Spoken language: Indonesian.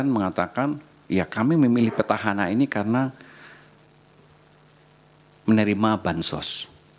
mengatakan ya kami memilih petahana ini karena menerima bansos